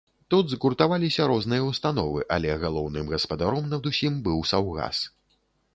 Тут згуртаваліся розныя ўстановы, але галоўным гаспадаром над усім быў саўгас.